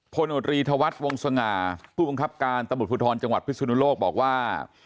พลโนตรีธวรรษวงศ์สง่าผู้บังคับการตะหมุดภูทรจังหวัดพฤษฐุณโลกบอกว่า